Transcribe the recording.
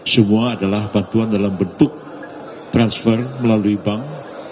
semua adalah bantuan dalam bentuk transfer melalui bank